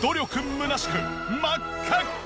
むなしく真っ赤っか！